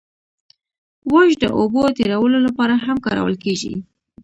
واش د اوبو تیرولو لپاره هم کارول کیږي